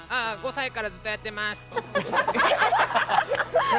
５歳からずっとやってます。